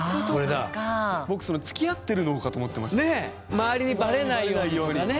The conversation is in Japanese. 周りにバレないようにとかね。